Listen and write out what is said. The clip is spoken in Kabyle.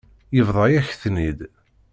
Yebḍa-yak-ten-id.